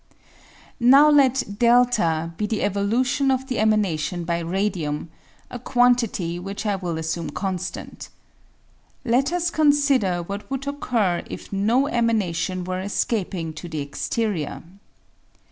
Now let A be the evolution of the emanation by radium, a quantity which I will assume constant. Let us consider what would occur if no emanation were escaping to the exterior.